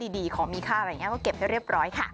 ดูแลบ้านให้ดีของมีค่าอะไรอย่างนี้ก็เก็บให้เรียบร้อยค่ะ